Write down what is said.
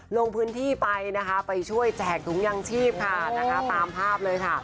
ลงพื้นที่ไปช่วยแจกถุงยังชีพตามภาพเลยค่ะ